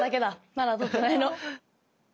まだ取ってないの。